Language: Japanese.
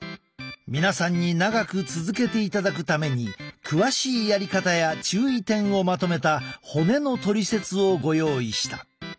皆さんに長く続けていただくために詳しいやり方や注意点をまとめた骨のトリセツをご用意した。